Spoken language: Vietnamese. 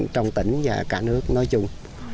trong tỉnh và cả nước nói chung